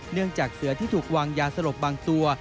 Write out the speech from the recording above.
เนื่องจากเสือที่ถูกวางยาสลบบางตัว